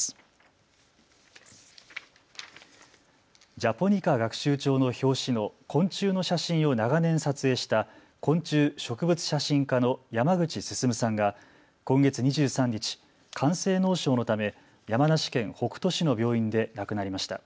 ジャポニカ学習帳の表紙の昆虫の写真を長年撮影した昆虫植物写真家の山口進さんが今月２３日、肝性脳症のため山梨県北杜市の病院で亡くなりました。